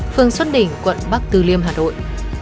phương xuân đỉnh quận bắc tư liêm hà nội